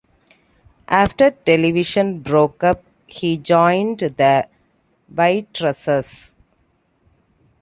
After Television broke up he joined The Waitresses.